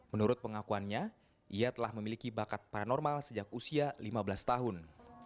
menurut pengakuannya ia telah memiliki bakat paranormal sejak usia lima belas tahun